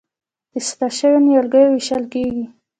د اصلاح شویو نیالګیو ویشل کیږي.